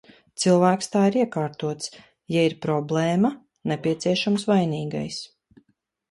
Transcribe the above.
Cilvēks tā ir iekārtots – ja ir problēma, nepieciešams vainīgais.